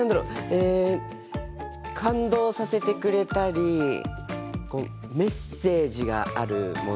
え感動させてくれたりメッセージがあるもの？